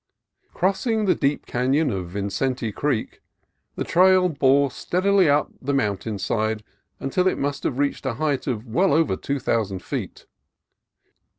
Crossing the deep canon of Vicente Creek, the trail bore steadily up the mountain side until it must have reached a height of well over two thou sand feet.